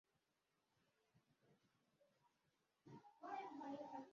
Igihe nongeye kugaruka muri njye igikoko cyari cyikwegeye hamwe, inkoni ye